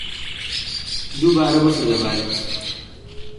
دووبارە بەفر دەبارێت.